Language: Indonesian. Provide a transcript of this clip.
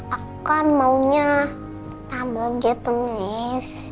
aku kan maunya nambel gitu miss